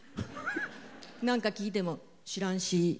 なんか聞いても「知らんし」。